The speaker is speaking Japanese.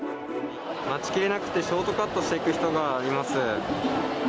待ちきれなくて、ショートカットしていく人がいます。